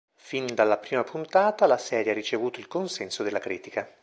Fin dalla prima puntata, la serie ha ricevuto il consenso della critica.